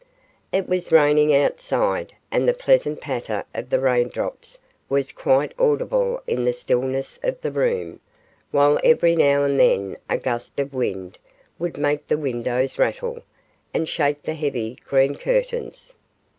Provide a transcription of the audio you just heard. It was raining outside, and the pleasant patter of the raindrops was quite audible in the stillness of the room, while every now and then a gust of wind would make the windows rattle, and shake the heavy green curtains.